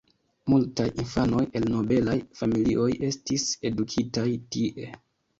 Multaj infanoj el nobelaj familioj estis edukitaj tie.